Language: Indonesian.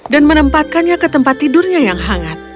dan menempatkannya ke tempat tidurnya yang hangat